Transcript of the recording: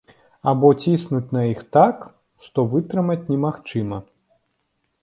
Або ціснуць на іх так, што вытрымаць немагчыма.